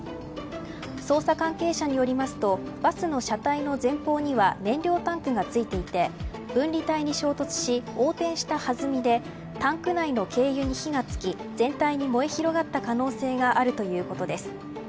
捜査関係者によりますとバスの車体の前方には燃料タンクが付いていて分離帯に衝突し横転した弾みでタンク内の軽油に火がつき全体に燃え広がった可能性があるということです。